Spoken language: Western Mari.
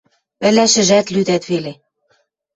Ӹлӓшӹжӓт лӱдӓт веле.